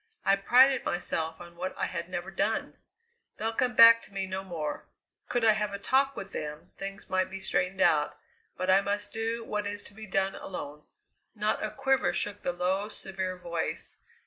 I prided myself on what I had never done! They'll come back to me no more. Could I have a talk with them, things might be straightened out; but I must do what is to be done alone." Not a quiver shook the low, severe voice.